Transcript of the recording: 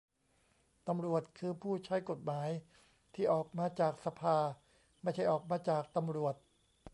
ตำรวจ คือ ผู้ใช้กฎหมาย ที่ออกมาจากสภา ไม่ใช่ออกมาจากตำรวจ